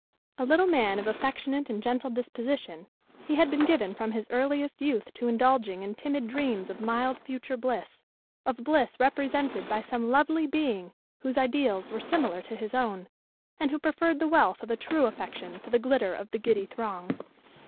A little man of affectionate and gentle disposition, he had been given from his earliest youth to indulging in timid dreams of mild future bliss, of bliss represented by some lovely being whose ideals were similar to his own, and who preferred the wealth of a true affection to the glitter of the giddy throng.